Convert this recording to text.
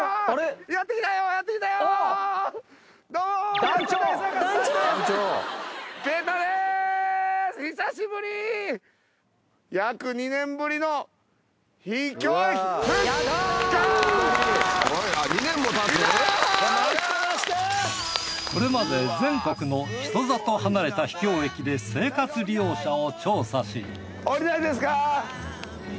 これまで全国の人里離れた秘境駅で生活利用者を調査し降りないですか？